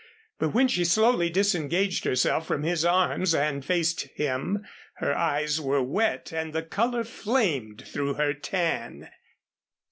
But when she slowly disengaged herself from his arms and faced him her eyes were wet and the color flamed through her tan.